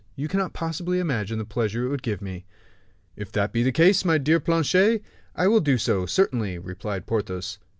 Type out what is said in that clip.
You cannot possibly imagine the pleasure it would give me." "If that be the case, my dear Planchet, I will do so, certainly," replied Porthos.